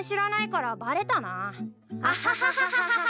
アハハハ！